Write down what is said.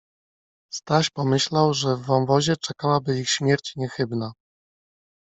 Staś pomyślał, że w wąwozie czekałaby ich śmierć niechybna.